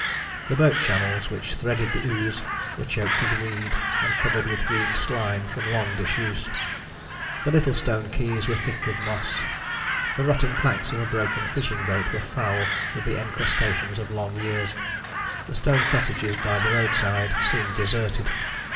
The boat channels which threaded the ooze were choked with weed and covered with green slime from long disuse, the little stone quays were thick with moss, the rotting planks of a broken fishing boat were foul with the encrustations of long years, the stone cottages by the roadside seemed deserted.